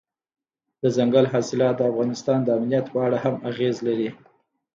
دځنګل حاصلات د افغانستان د امنیت په اړه هم اغېز لري.